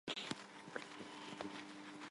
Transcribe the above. Դրանք չպետք է շփոթել միմյանց հետ։